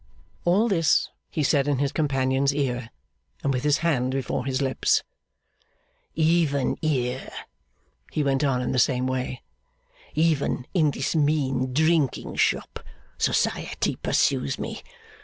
All this he said in his companion's ear, and with his hand before his lips. 'Even here,' he went on in the same way, 'even in this mean drinking shop, society pursues me.